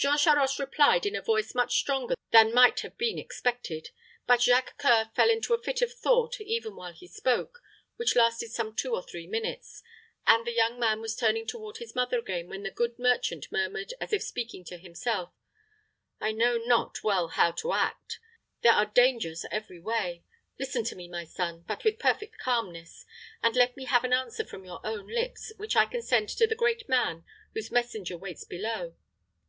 Jean Charost replied in a voice much stronger than might have been expected; but Jacques C[oe]ur fell into a fit of thought even while he spoke, which lasted some two or three minutes, and the young man was turning toward his mother again, when the good merchant murmured, as if speaking to himself, "I know not well how to act there are dangers every way. Listen to me, my son, but with perfect calmness, and let me have an answer from your own lips, which I can send to the great man whose messenger waits below.